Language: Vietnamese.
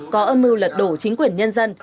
có âm mưu lật đổ chính quyền nhân dân